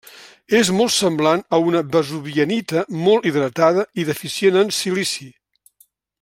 És molt semblant a una vesuvianita molt hidratada i deficient en silici.